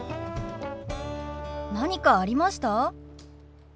何かありました？